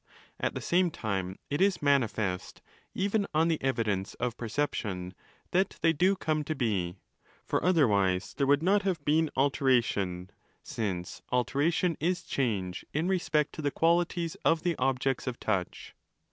At the same time, it is manifest, even on the evidence of perception, that they do come to be: for otherwise there would not have been 'altera 10 tion', since ' alteration' is change in respect to the qualities of the objects of touch.